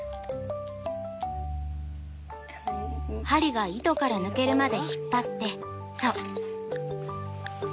針が糸から抜けるまで引っ張ってそう。